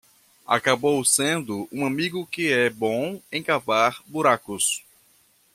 Acabou sendo um amigo que é bom em cavar buracos.